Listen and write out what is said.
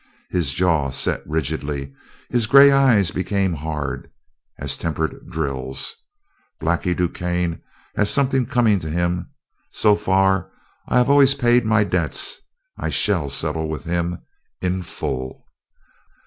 His jaw set rigidly, his gray eyes became hard as tempered drills. "Blackie DuQuesne has something coming to him. So far, I have always paid my debts.... I shall settle with him ... IN FULL."